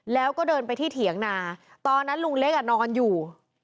แล้วก็เดินไปที่เถียงนาตอนนั้นลุงเล็กนอนอยู่